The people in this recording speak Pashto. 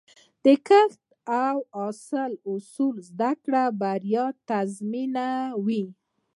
د کښت او حاصل اصول زده کړه، بریا تضمینوي.